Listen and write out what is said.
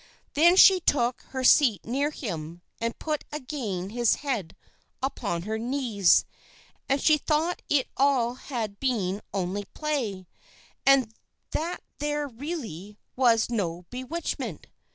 Then she took her seat near him, and put again his head upon her knees, and she thought it all had been only play, and that there really was no bewitchment.